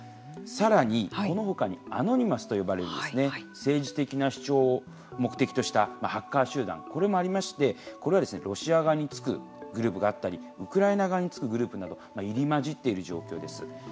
さらに、このほかにアノニマスと呼ばれる政治的な主張を目的としたハッカー集団、これもありましてこれはロシア側につくグループがあったりウクライナ側につくグループなど入り交じっている状況です。